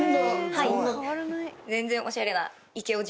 はい。